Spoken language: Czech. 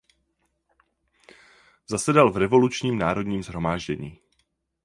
Zasedal v Revolučním národním shromáždění.